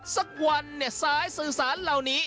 สักวันเนี่ยสายสื่อสารเหล่านี้